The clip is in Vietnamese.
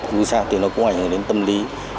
cứ sao tìm nó cũng ảnh hưởng đến tâm lý